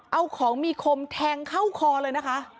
เอาของมีคมแทงเข้าคอเลยนะคะ